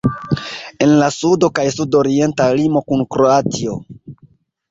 En la sudo kaj sudorienta limo kun Kroatio.